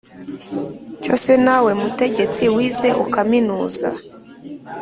cyo se na we mutegetsi wize ukaminuza